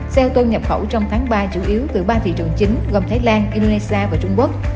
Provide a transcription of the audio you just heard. xe ô tô nhập khẩu trong tháng ba chủ yếu từ ba thị trường chính gồm thái lan indonesia và trung quốc